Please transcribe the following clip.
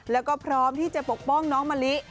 แล้วก็พร้อมที่จะปกป้องน้องมะลิ